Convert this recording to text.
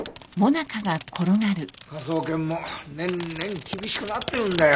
科捜研も年々厳しくなってるんだよ。